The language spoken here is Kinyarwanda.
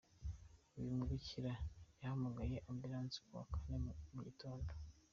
Uyu mubikira yahamagaje ambilansi ku wa Kane mu gitondo.